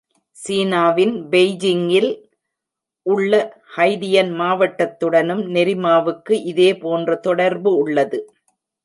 சீனாவின் பெய்ஜிங்கில் உள்ள ஹைடியன் மாவட்டத்துடனும் நெரிமாவுக்கு இதே போன்ற தொடர்பு உள்ளது.